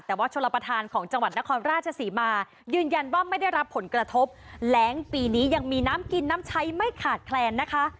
แต่ว่าชลประธานของจังหวัดนครราชศรีมายืนยันว่าไม่ได้รับผลกระทบแรงปีนี้ยังมีน้ำกินน้ำใช้ไม่ขาดแคลนนะคะ